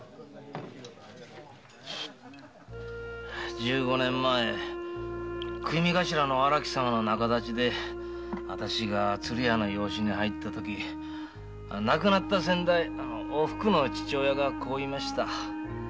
十五年前組頭の荒木様の仲立ちで私が鶴屋の養子に入ったとき亡くなった先代おふくの父親がこう言いました。